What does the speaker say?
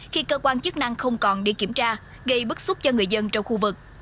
khi cơ quan chức năng không còn đi kiểm tra gây bức xúc cho người dân trong khu vực